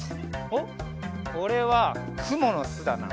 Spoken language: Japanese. おっこれはくものすだな。